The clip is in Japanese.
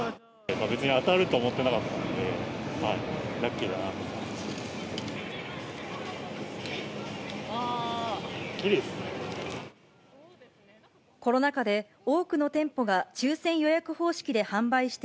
確実に当たると思ってなかったので、ラッキーだなと思って。